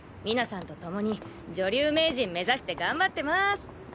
水菜さんと共に女流名人目指して頑張ってます！